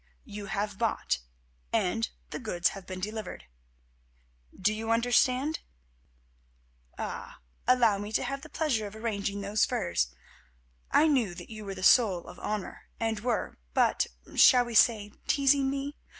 You have bought and—the goods have been delivered. Do you understand? Ah! allow me to have the pleasure of arranging those furs. I knew that you were the soul of honour, and were but—shall we say teasing me?